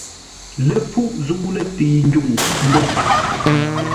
Ləpfuʼ zə̂u lətəi ndwuŋ mbó paghʼə.